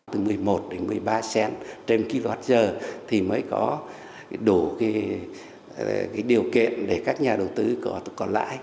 từ một mươi một đến một mươi ba cent trên ký loạt giờ thì mới có đủ điều kiện để các nhà đầu tư có lãi